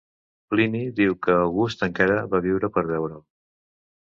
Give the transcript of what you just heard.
Plini diu que August encara va viure per veure'l.